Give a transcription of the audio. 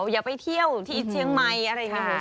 อย่าไปเที่ยวที่เชียงใหม่อะไรอย่างนี้